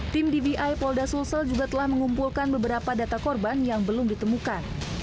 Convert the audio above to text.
tim dvi polda sulsel juga telah mengumpulkan beberapa data korban yang belum ditemukan